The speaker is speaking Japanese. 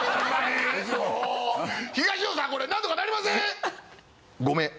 東野さんこれ何とかなりません？